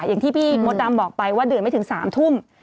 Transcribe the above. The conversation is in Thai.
อย่างที่พี่มดดำบอกไปว่าดื่มไม่ถึง๓ทุ่ม